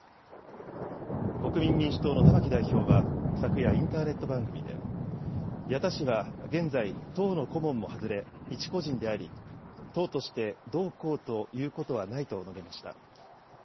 国民民主党の玉木代表は、昨夜、インターネット番組で、矢田氏は現在、党の顧問も外れ、一個人であり、党としてどうこうということはないと述べました。